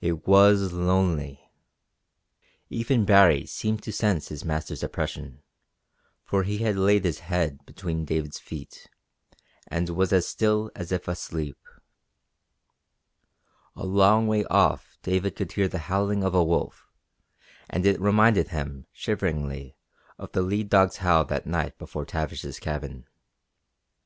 It was lonely. Even Baree seemed to sense his master's oppression, for he had laid his head between David's feet, and was as still as if asleep. A long way off David could hear the howling of a wolf and it reminded him shiveringly of the lead dog's howl that night before Tavish's cabin.